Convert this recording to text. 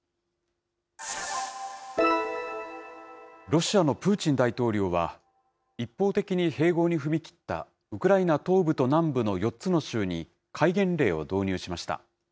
ロシアのプーチン大統領は、一方的に併合に踏み切ったウクライナ東部と南部の４つの州に、戒厳令を導入しました。